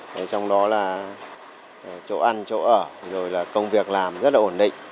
trong đó là chỗ ăn chỗ ở công việc làm rất là ổn định